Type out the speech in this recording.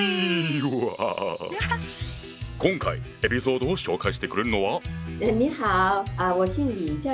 今回エピソードを紹介してくれるのは？